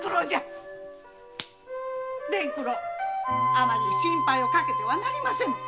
あまり心配をかけてはなりませぬぞ。